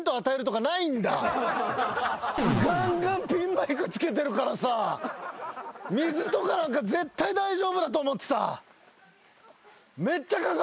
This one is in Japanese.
がんがんピンマイク着けてるからさ水とかなんか絶対大丈夫だと思ってた。